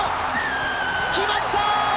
決まった！